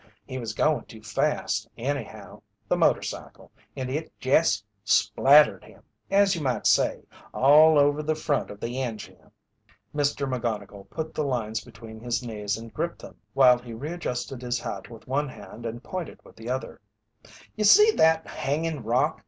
He was goin' too fast, anyhow the motorcycle and it jest splattered him, as you might say, all over the front of the en jine." Mr. McGonnigle put the lines between his knees and gripped them while he readjusted his hat with one hand and pointed with the other: "You see that hangin' rock?